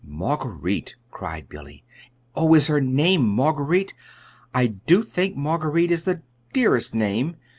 "Marguerite!" cried Billy. "Oh, is her name Marguerite? I do think Marguerite is the dearest name!"